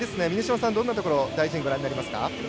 どんなところを大事にご覧になりますか？